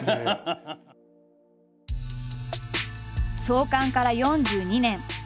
創刊から４２年。